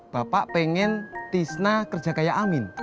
bapak pengen tisna kerja kayak amin